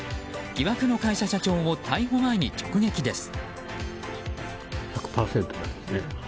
疑惑の会社社長を逮捕前に直撃です。